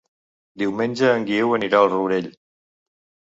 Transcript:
Diumenge en Guiu anirà al Rourell.